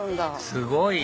すごい！